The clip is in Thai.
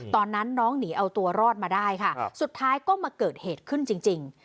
ตอนนั้นน้องหนีเอาตัวรอดมาได้ค่ะสุดท้ายก็มาเกิดเหตุขึ้นจริง